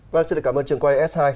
vâng xin cảm ơn trường quay s hai